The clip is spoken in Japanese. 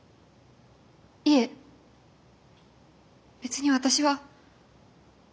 いえ別に私は。